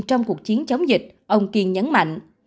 trong cuộc chiến chống dịch ông kiên nhấn mạnh